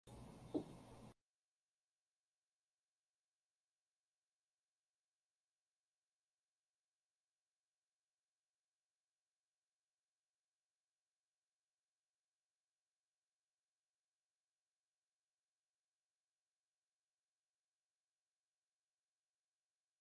不可磨滅